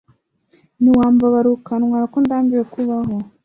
nti wambabariye ukantwarakondambiwe kubaho